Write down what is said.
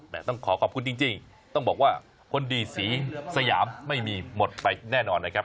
ต้องขอขอบคุณจริงต้องบอกว่าคนดีสีสยามไม่มีหมดไปแน่นอนนะครับ